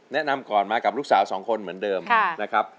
แนะนำก่อนมากับลูกสาวสองคนเหมือนเดิมนะครับ